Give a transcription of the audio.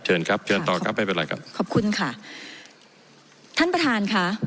เชิญครับเชิญต่อครับไม่เป็นไรครับขอบคุณค่ะท่านประธานค่ะ